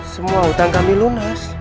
semua hutang kami lunas